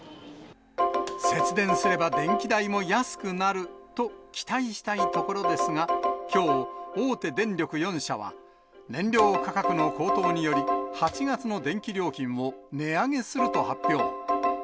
節電すれば電気代も安くなると期待したいところですが、きょう、大手電力４社は、燃料価格の高騰により、８月の電気料金を値上げすると発表。